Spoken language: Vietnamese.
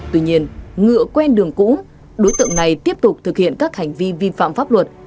tuy nhiên ngựa quen đường cũ đối tượng này tiếp tục thực hiện các hành vi vi phạm pháp luật